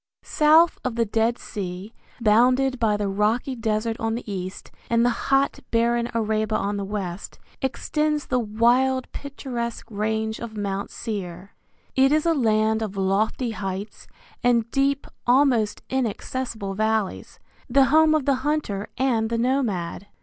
South of the Dead Sea, bounded by the rocky desert on the east and the hot barren Arabah on the west, extends the wild picturesque range of Mount Seir. It is a land of lofty heights and deep, almost inaccessible valleys, the home of the hunter and the nomad.